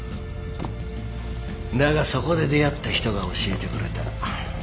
だがそこで出会った人が教えてくれた。